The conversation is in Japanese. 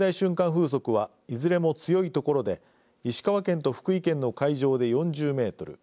風速はいずれも強い所で石川県と福井県の海上で４０メートル。